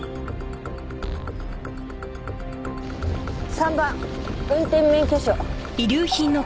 ３番運転免許証。